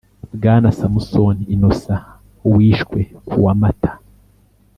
Bwana Samusoni Innocent wishwe kuwa Mata